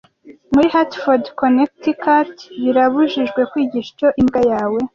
Muri Hartford Connecticut birabujijwe kwigisha icyo imbwa yawe